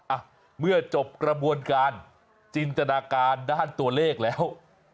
อ่ะเมื่อจบกระบวนการจินตนาการด้านตัวเลขแล้ว